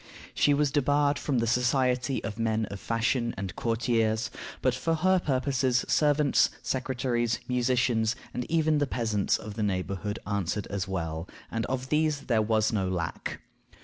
She was debarred from the society of men of fashion and courtiers, but for her purposes, servants, secretaries, musicians, and even the peasants of the neighborhood answered as well, and of these there was no lack.